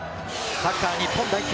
サッカー日本代表。